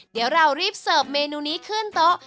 เดี๋ยวเรารีบเสิร์ฟเมนูนี้ขึ้นโต๊ะ